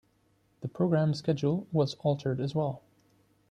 The program schedule was altered as well.